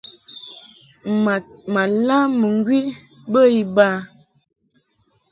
Mad ma lam mɨŋgwi bə iba.